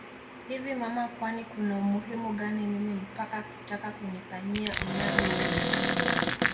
Hivi mama Kwani Kuna umuhimu gani mimi mpaka kutaka kunifanyia unyago wenu